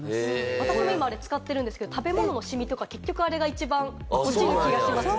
私もあれ使ってるんですけれども、食べ物のシミとか、あれが一番落ちる気がします。